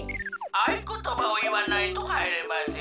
「あいことばをいわないとはいれません」。